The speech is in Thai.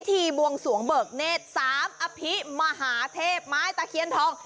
พิธีบวงสวงเบิกเนทสามอภิมหาเทพไม้ตะเขียนทอง